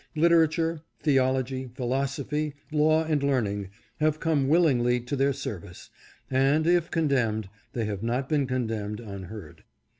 Literature, theology, philosophy, law and learning have come willingly to their service, and, if condemned, they have not been con demned unheard.